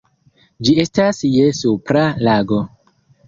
Ĝi estas je Supra Lago.